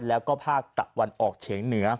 แล้วก็ภาคตะวันออกเฉียงเหนือ